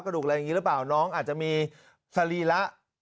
ดูอะไรอย่างนี้หรือเปล่าน้องอาจจะมีสรีระ